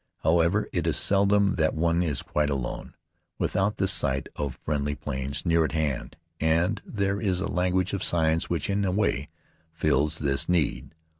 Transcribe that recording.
However, it is seldom that one is quite alone, without the sight of friendly planes near at hand, and there is a language of signs which, in a way, fills this need.